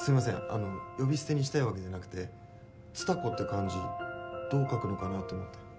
あの呼び捨てにしたいわけじゃなくて「つたこ」って漢字どう書くのかなと思って。